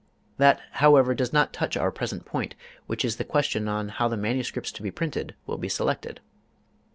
That, however, does not touch our present point, which is the question how the MSS. to be printed will be selected.